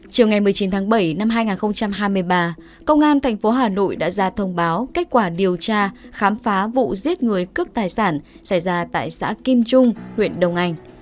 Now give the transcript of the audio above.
chiều ngày một mươi chín tháng bảy năm hai nghìn hai mươi ba công an tp hà nội đã ra thông báo kết quả điều tra khám phá vụ giết người cướp tài sản xảy ra tại xã kim trung huyện đông anh